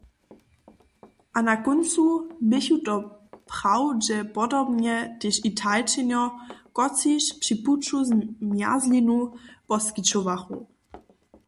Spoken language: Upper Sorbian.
A na kóncu běchu to prawdźepodobnje tež Italčenjo, kotřiž při puću zmjerzlinu poskićowachu.